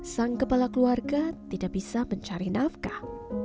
sang kepala keluarga tidak bisa mencari nafkah